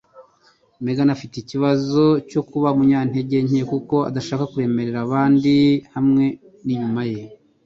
Megan afite ikibazo cyo kuba umunyantege nke kuko adashaka kuremerera abandi hamwe ninyuma ye.